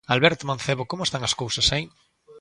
Alberto Mancebo, como están as cousas aí?